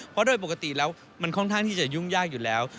เพราะโดยปกติแล้วมันค่อนข้างที่จะยุ่งยากอยู่แล้ว